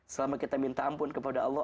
selama kita minta ampun kepada allah